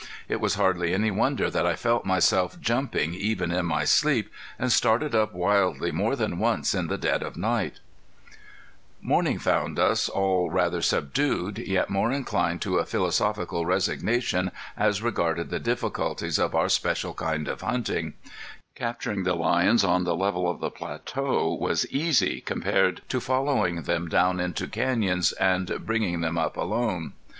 It was hardly any wonder that I felt myself jumping even in my sleep, and started up wildly more than once in the dead of night. [Illustration: WILD HORSES DRINKING ON A PROMONTORY IN THE GRAND CANYON] Morning found us all rather subdued, yet more inclined to a philosophical resignation as regarded the difficulties of our special kind of hunting. Capturing the lions on the level of the plateau was easy compared to following them down into canyons and bringing them up alone.